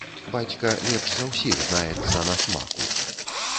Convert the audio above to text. Бацька лепш за ўсіх знаецца на смаку.